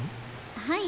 はい。